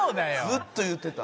ずっと言ってた。